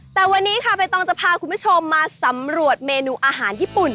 แต่วันนี้ค่ะใบตองจะพาคุณผู้ชมมาสำรวจเมนูอาหารญี่ปุ่น